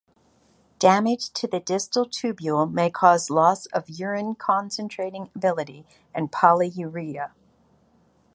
Damage to the distal tubule may cause loss of urine-concentrating ability and polyuria.